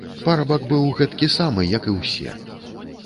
Парабак быў гэтакі самы, як і ўсе.